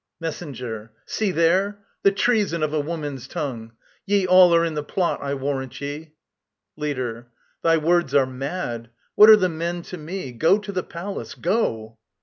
MESSENGER. See there! The treason of a woman's tongue! Ye all are in the plot, I warrant ye! LEADER. Thy words are mad! What are the men to me? ... Go to the palace, go!